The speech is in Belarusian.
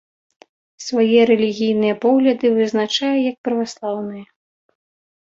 Свае рэлігійныя погляды вызначае як праваслаўныя.